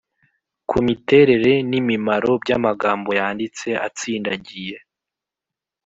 ku miterere n’imimaro by’amagambo yanditse atsindagiye.